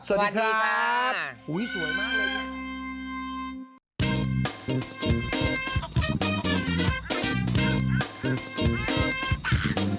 สวัสดีครับ